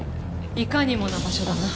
いかにもな場所だな。